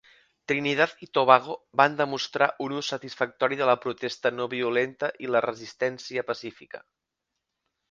Trinidad i Tobago van demostrar un ús satisfactori de la protesta no violenta i la resistència pacífica.